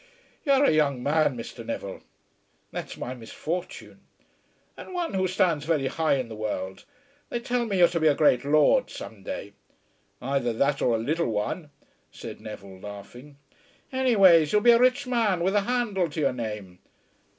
You're a young man, Mr. Neville." "That's my misfortune." "And one who stands very high in the world. They tell me you're to be a great lord some day." "Either that or a little one," said Neville, laughing. "Anyways you'll be a rich man with a handle to your name.